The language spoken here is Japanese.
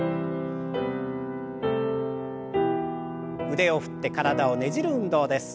腕を振って体をねじる運動です。